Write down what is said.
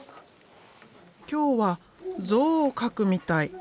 今日はゾウを描くみたい。